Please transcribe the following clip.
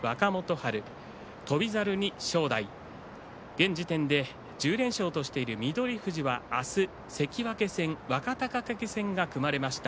現時点で１０連勝としている翠富士は明日、関脇戦若隆景戦が組まれました。